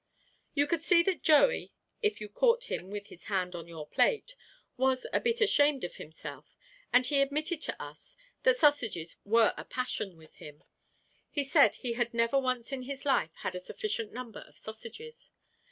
You could see that Joey (if you caught him with his hand in your plate) was a bit ashamed of himself, and he admitted to us that sausages were a passion with him. He said he had never once in his life had a sufficient number of sausages.